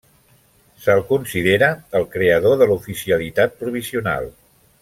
Se'l considera el creador de l'oficialitat provisional.